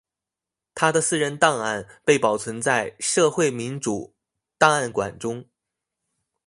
他的私人档案被保存在社会民主档案馆中。